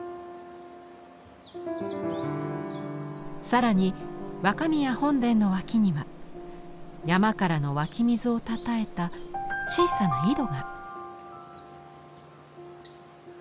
更に若宮本殿の脇には山からの湧き水をたたえた小さな井戸が。